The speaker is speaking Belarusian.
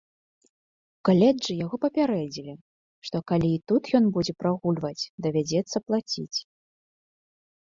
У каледжы яго папярэдзілі, што калі і тут ён будзе прагульваць, давядзецца плаціць.